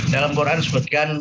dalam al quran disebutkan